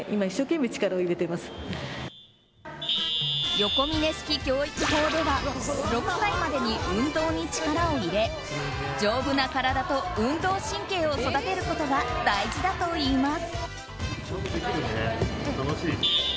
ヨコミネ式教育法では６歳までに運動に力を入れ丈夫な体と運動神経を育てることが大事だといいます。